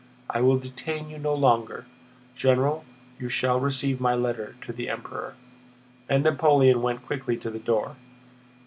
I will detain you no longer, General; you shall receive my letter to the Emperor." And Napoleon went quickly to the door.